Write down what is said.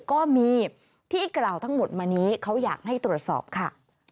ก็มีที่กล่าวทั้งหมดมานี้เขาอยากให้ตรวจสอบค่ะ